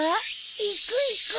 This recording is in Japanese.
行く行く！